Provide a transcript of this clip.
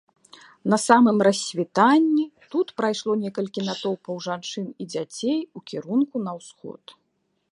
На самым рассвітанні тут прайшло некалькі натоўпаў жанчын і дзяцей у кірунку на ўсход.